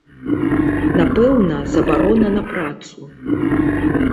Напэўна, забарона на працу.